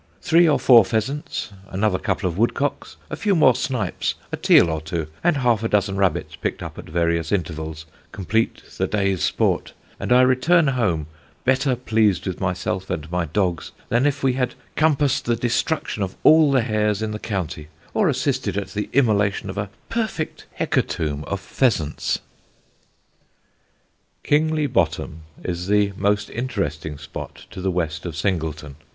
Three or four pheasants, another couple of woodcocks, a few more snipes, a teal or two, and half a dozen rabbits picked up at various intervals, complete the day's sport, and I return home, better pleased with myself and my dogs than if we had compassed the destruction of all the hares in the county, or assisted at the immolation of a perfect hecatomb of pheasants." [Sidenote: KINGLY BOTTOM] Kingly Bottom is the most interesting spot to the west of Singleton.